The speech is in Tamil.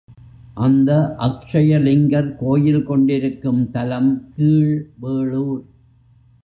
அந்த அக்ஷயலிங்கர் கோயில் கொண்டிருக்கும் தலம் கீழ் வேளூர்.